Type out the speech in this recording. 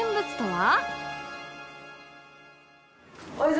はい？